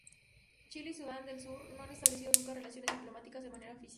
Chile y Sudán del Sur no han establecido nunca relaciones diplomáticas de manera oficial.